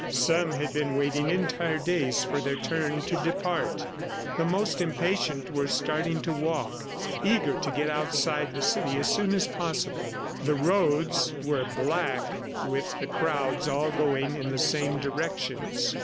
Some had been waiting entire days for their turn to depart. The most impatient were starting to walk, eager to get outside of the city as soon as possible. The roads were black with the crowds all going in the same directions.